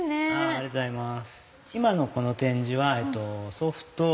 ありがとうございます。